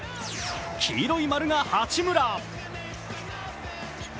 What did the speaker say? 黄色い丸が八村。